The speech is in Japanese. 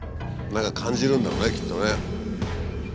何か感じるんだろうねきっとね。